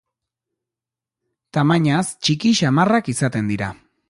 Tamainaz txiki samarrak izaten dira.